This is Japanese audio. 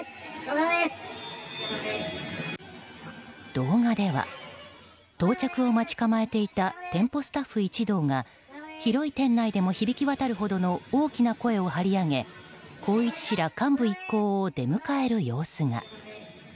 動画では到着を待ち構えていた店舗スタッフ一同が広い店内でも響き渡るほどの大きな声を張り上げ宏一氏ら幹部一行を出迎える様子が。